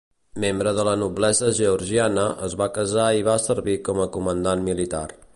Membre de la noblesa georgiana, es va casar i va servir com a comandant militar.